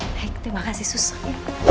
baik terima kasih susah